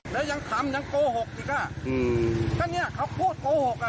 แล้วยังทำยังโกหกอีกอ่ะอืมก็เนี้ยเขาพูดโกหกอ่ะ